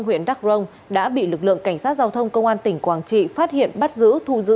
huyện đắc rông đã bị lực lượng cảnh sát giao thông công an tỉnh quảng trị phát hiện bắt giữ